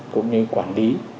cũng như quản lý